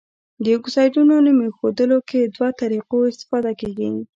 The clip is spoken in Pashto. د اکسایډونو نوم ایښودلو کې له دوه طریقو استفاده کیږي.